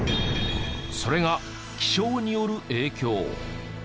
それが気象による影響。